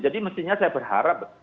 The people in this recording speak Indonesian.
jadi mestinya saya berharap